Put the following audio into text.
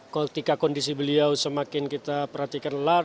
ketika kondisi beliau semakin kita perhatikan lelah